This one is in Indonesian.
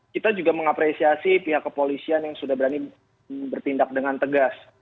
kita juga mengapresiasi pihak kepolisian yang sudah berani bertindak dengan tegas